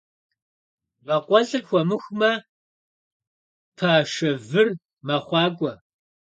Вакӏуэлӏыр хуэмыхумэ, пашэвыр мэхъуакӏуэ.